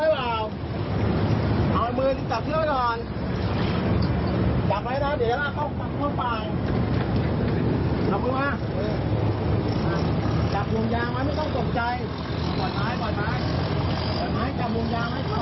เดินหน้าไปเลย